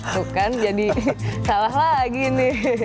bukan jadi salah lagi nih